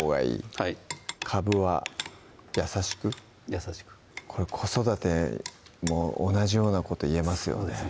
はいかぶは優しく優しくこれ子育ても同じようなこと言えますよね